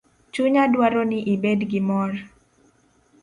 Chunya dwaro ni ibed gi mor